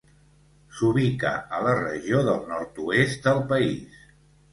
S'ubica a la regió del nord-oest del país.